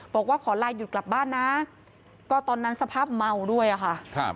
บอกว่าขอลาหยุดกลับบ้านนะก็ตอนนั้นสภาพเมาด้วยอะค่ะ